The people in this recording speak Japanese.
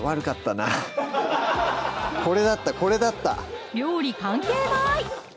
これだったこれだった料理関係ない！